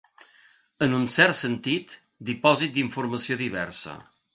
En un cert sentit, dipòsit d'informació diversa.